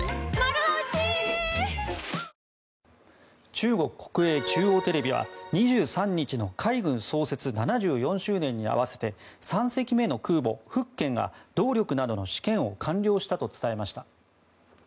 中国国営中央テレビは２３日の海軍創設７４周年に合わせて３隻目の空母「福建」が動力などの試験を完了したと伝えました。